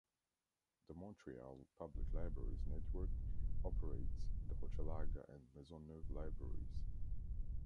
The Montreal Public Libraries Network operates the Hochelaga and Maisonneuve libraries.